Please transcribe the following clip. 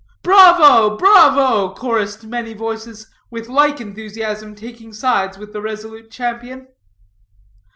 "Bravo, bravo!" chorused many voices, with like enthusiasm taking sides with the resolute champion.